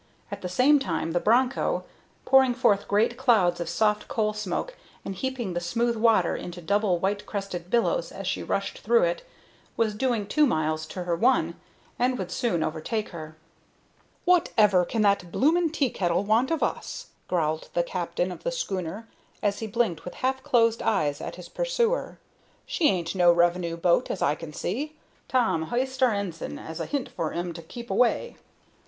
At the same time the Broncho, pouring forth great clouds of soft coal smoke and heaping the smooth water into double white crested billows as she rushed through it, was doing two miles to her one, and would soon overtake her. "Whatever can that bloomin' teakettle want of us?" growled the captain of the schooner as he blinked with half closed eyes at his pursuer. "She ain't no revenue boat, as I can see. Tom, h'ist our ensign as a hint for 'em to keep away."